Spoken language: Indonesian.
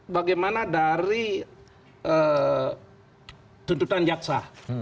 bagaimana dari tuntutan jaksa